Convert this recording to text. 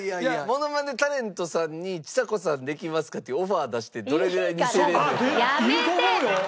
モノマネタレントさんにちさ子さんできますか？っていうオファー出してどれぐらい似せられるのか。